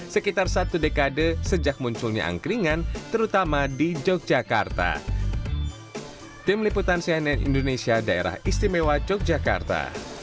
sekitar satu dekade sejak munculnya angkringan terutama di yogyakarta